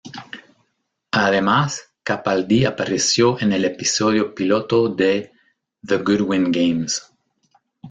Además, Capaldi apareció en el episodio piloto de "The Goodwin Games".